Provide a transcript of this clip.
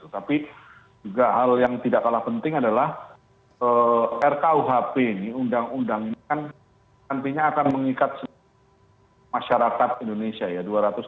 tapi juga hal yang tidak kalah penting adalah rkuhp ini undang undang ini kan nantinya akan mengikat masyarakat indonesia ya